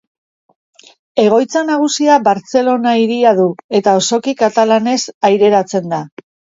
Egoitza nagusia Bartzelona hirian du eta osoki katalanez aireratzen da.